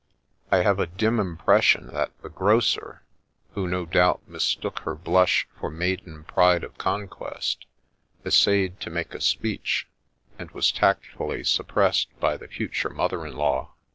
I have a dim impression that the grocer, who no doubt mistook her blush for maiden pride of con quest, essayed to make a speech, and was tactfully suppressed by the future mother in law.